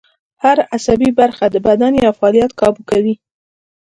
هر عصبي برخه د بدن یو فعالیت کابو کوي